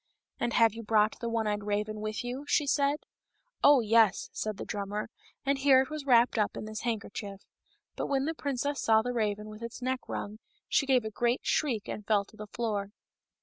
" And have you brought the one eyed raven with you ?" she said. *^ Oh, yes," said the drummer, and here it was wrapped up in this handkerchief. But when the princess saw the raven with its neck wrung, she gave a great shriek and fell to the floor.